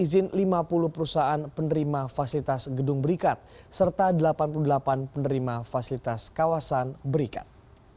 izin lima puluh perusahaan penerima fasilitas gedung berikat serta delapan puluh delapan penerima fasilitas kawasan berikat